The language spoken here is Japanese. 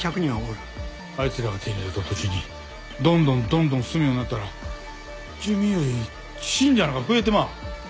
あいつらが手に入れた土地にどんどんどんどん住むようになったら住民より信者のほうが増えてまう。